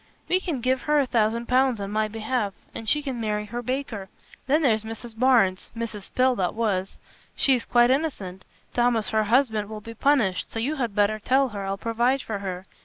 "You can give her a thousand pounds on my behalf, and she can marry her baker. Then there's Mrs. Barnes Mrs. Pill that was. She is quite innocent. Thomas her husband will be punished, so you had better tell her, I'll provide for her.